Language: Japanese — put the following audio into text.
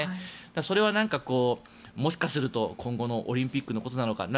それはもしかすると今後のオリンピックのことなのかな